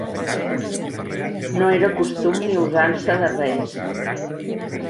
No era costum ni usança de reis.